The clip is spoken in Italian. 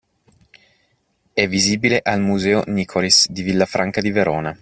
È visibile al museo Nicolis di Villafranca di verona.